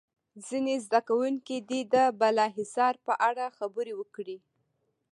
ځینې زده کوونکي دې د بالا حصار په اړه خبرې وکړي.